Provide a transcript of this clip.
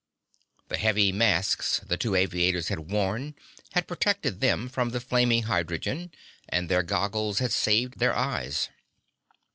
The heavy masks the two aviators had worn had protected them from the flaming hydrogen, and their goggles had saved their eyes.